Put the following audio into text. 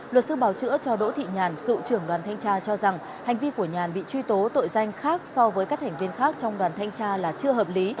luật sư bảo chữa cho đỗ thị nhàn cựu trưởng đoàn thanh tra cho rằng hành vi của nhàn bị truy tố tội danh khác so với các thành viên khác trong đoàn thanh tra là chưa hợp lý